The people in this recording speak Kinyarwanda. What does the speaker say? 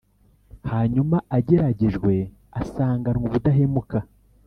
hanyuma ageragejwe asanganwa ubudahemuka.